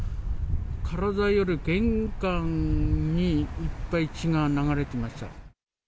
体より玄関にいっぱい血が流れてました。